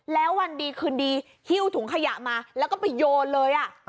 แล้ววันดีคืนดีหิ้วถุงขยะมาแล้วก็ไปโยนเลย